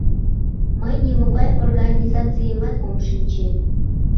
Мый нимогай оганизацийымат ом шинче.